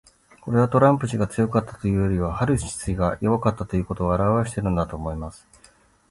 これは、トランプ氏が強かったというよりはハリス氏が弱かったということを表してるのだと思います。